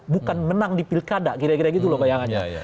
bukan menang di pilkada kira kira gitu loh bayangannya